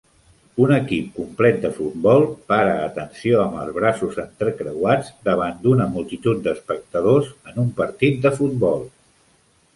Un equip complet de futbol para atenció amb els braços entrecreuats davant d'una multitud d'espectadors en un partit de futbol